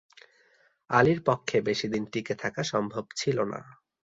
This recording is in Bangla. আলির পক্ষে বেশিদিন টিকে থাকা সম্ভব ছিল না।